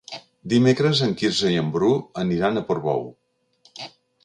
Dimecres en Quirze i en Bru aniran a Portbou.